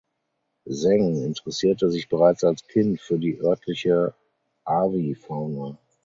Zheng interessierte sich bereits als Kind für die örtliche Avifauna.